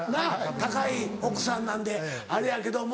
高い奥さんなんであれやけども。